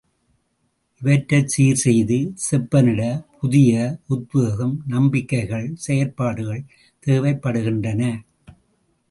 இவற்றைச் சீர் செய்து செப்பனிடப் புதிய உத்வேகம் நம்பிக்கைகள், செயற்பாடுகள் தேவைப்படுகின்றன.